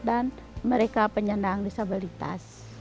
dan mereka penyandang disabilitas